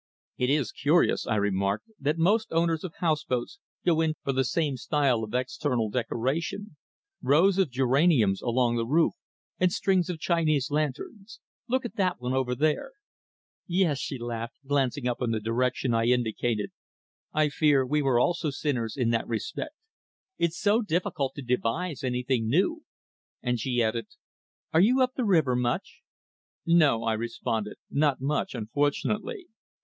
"It is curious," I remarked, "that most owners of house boats go in for the same style of external decoration rows of geraniums along the roof, and strings of Chinese lanterns look at that one over there." "Yes," she laughed, glancing in the direction I indicated. "I fear we were also sinners in that respect. It's so difficult to devise anything new." And she added, "Are you up the river much?" "No," I responded, "not much, unfortunately.